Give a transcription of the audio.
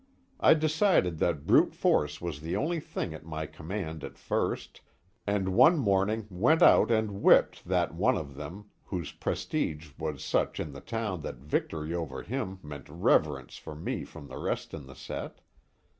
I decided that brute force was the only thing at my command at first, and one morning, went out and whipped that one of them whose prestige was such in the town that victory over him meant reverence for me from the rest in the set.